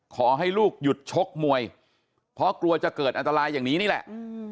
ขอให้ลูกหยุดชกมวยเพราะกลัวจะเกิดอันตรายอย่างนี้นี่แหละ